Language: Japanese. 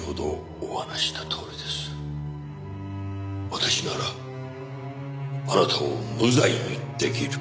私ならあなたを無罪にできる。